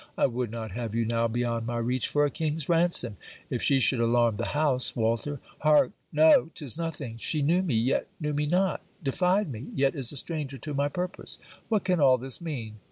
I would not have you now beyond my reach for a king's ransom. If she should alarm the house, Walter. Hark! No. 'Tis nothing. she knew me: yet knew me not. defied me: yet is a stranger to my purpose. What can all this mean?